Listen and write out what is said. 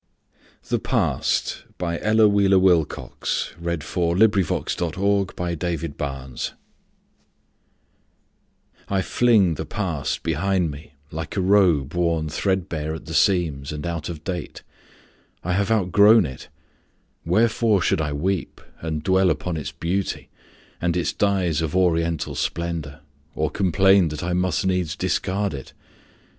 or him alway. Ella Wheeler Wilcox The Past I FLING the past behind me, like a robe Worn threadbare at the seams, and out of date. I have outgrown it. Wherefore should I weep And dwell upon its beauty, and its dyes Of oriental splendor, or complain That I must needs discard it?